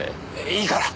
いいから。